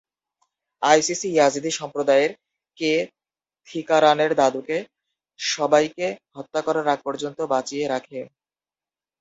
ISIS Yazidi সম্প্রদায়ের কে থিকারানের দাদুকে সবাইকে হত্যা করার আগ পর্যন্ত বাঁচিয়ে রাখে?